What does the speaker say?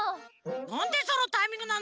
なんでそのタイミングなの？